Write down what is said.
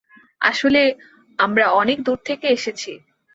আসলে, আমরা অনেক দূর থেকে এসেছি।